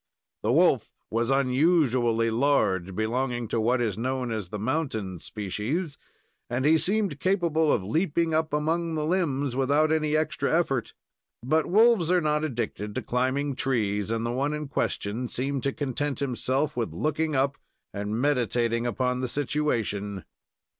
The wolf was unusually large, belonging to what is known as the mountain species, and he seemed capable of leaping up among the limbs without any extra effort; but wolves are not addicted to climbing trees, and the one in question seemed to content himself with looking up and meditating upon the situation.